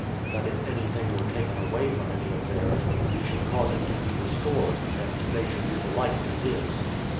That if anything were taken away from any of theirs, he should cause it to be restored; and they should do the like to his.